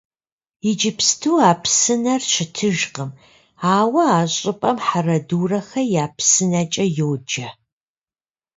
Иджыпсту а псынэр щытыжкъым, ауэ а щӀыпӀэм «Хьэрэдурэхэ я псынэкӀэ» йоджэ.